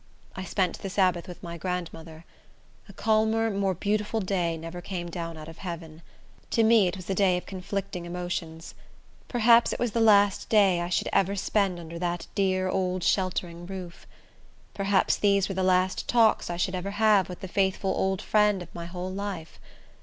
I spent the Sabbath with my grandmother. A calmer, more beautiful day never came down out of heaven. To me it was a day of conflicting emotions. Perhaps it was the last day I should ever spend under that dear, old sheltering roof! Perhaps these were the last talks I should ever have with the faithful old friend of my whole life!